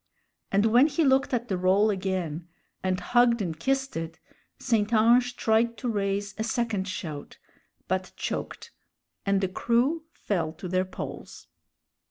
And when he looked at the roll again, and hugged and kissed it, St. Ange tried to raise a second shout, but choked, and the crew fell to their poles.